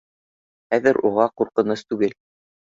Хәҙер уға ҡурҡыныс түгел